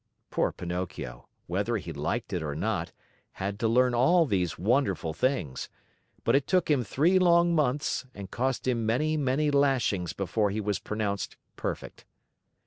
Poor Pinocchio, whether he liked it or not, had to learn all these wonderful things; but it took him three long months and cost him many, many lashings before he was pronounced perfect.